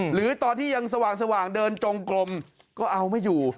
หรือตอนที่ยังสว่างเดินจงกลมก็เอาไม่อยู่